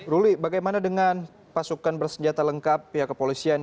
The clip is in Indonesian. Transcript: ruli bagaimana dengan pasukan bersenjata lengkap pihak kepolisian